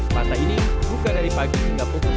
pantai ini buka dari pagi hingga pukul